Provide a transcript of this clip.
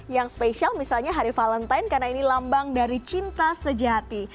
yang spesial misalnya hari valentine karena ini lambang dari cinta sejati